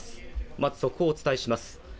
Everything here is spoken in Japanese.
まず速報をお伝えします。